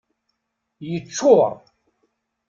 Yeččur.